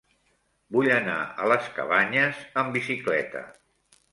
Vull anar a les Cabanyes amb bicicleta.